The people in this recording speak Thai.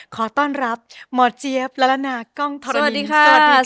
ขอต้อนรับหมอเจี๊ยบและละนากล้องทรนิยสวัสดีค่ะ